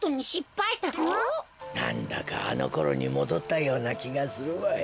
なんだかあのころにもどったようなきがするわい。